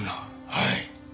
はい。